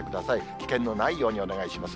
危険のないようにお願いします。